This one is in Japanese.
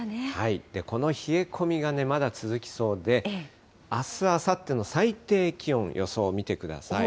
この冷え込みがね、まだ続きそうで、あす、あさっての最低気温、予想見てください。